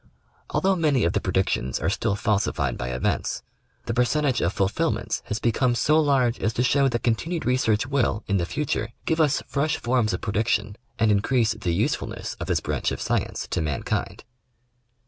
Although many of the predictions are still falsified by events, the percentage of fulfilments has become so large as to show that continued research will in the future give us fresh forms of pre diction and increase the usefulness of this branch of science to mankind.